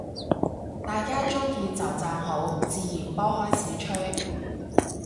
大家鍾意就讚好，自然波開始吹